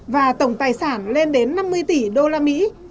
và tổng tài sản lên đến năm mươi tỷ usd